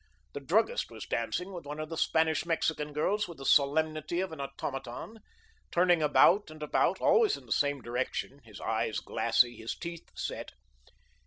The druggist was dancing with one of the Spanish Mexican girls with the solemnity of an automaton, turning about and about, always in the same direction, his eyes glassy, his teeth set.